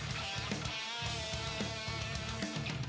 ของฮีโรของฮีโร